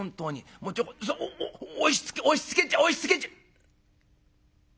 もうちょこおっおっ押しつけ押しつけちゃ押しつけちゃ」。